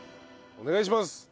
お願いします。